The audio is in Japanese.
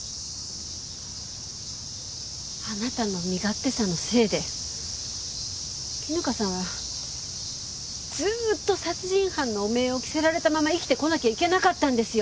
あなたの身勝手さのせいで絹香さんはずーっと殺人犯の汚名を着せられたまま生きてこなきゃいけなかったんですよ。